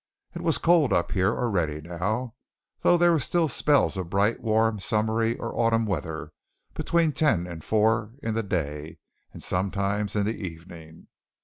It was cold up here already now, though there were still spells of bright warm summery or autumn weather between ten and four in the day, and sometimes in the evening.